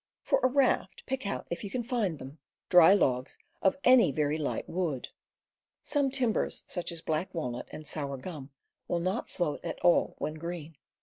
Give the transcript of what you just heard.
For a raft, pick out, if you can find them, dry logs of any very light wood; some timbers, such as black walnut and sour gum will not float at all when green.